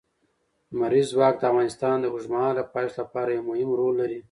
لمریز ځواک د افغانستان د اوږدمهاله پایښت لپاره یو مهم رول لري.